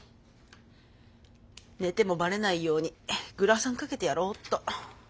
寝てもバレないようにグラサンかけてやろうっと。